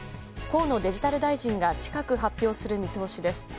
河野デジタル大臣が近く発表する見通しです。